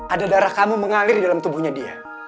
ada darah kamu mengalir di dalam tubuhnya dia